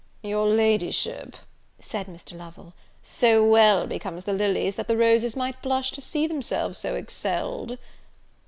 "Your Ladyship," said Mr. Lovel, "so well becomes the lilies, that the roses might blush to see themselves so excelled."